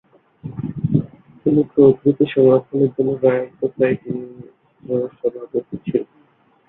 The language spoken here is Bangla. তিনি প্রকৃতি সংরক্ষণের জন্য রয়্যাল সোসাইটি-এরও সভাপতি ছিলেন।